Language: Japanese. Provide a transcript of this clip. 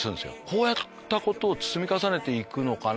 こうやったことを積み重ねてくのかな？